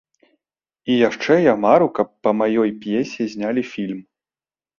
І яшчэ я мару, каб па маёй п'есе знялі фільм.